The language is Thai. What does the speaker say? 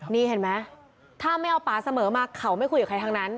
นี่เห็นไหมถ้าไม่เอาป่าเสมอมาเขาไม่คุยกับใครทั้งนั้น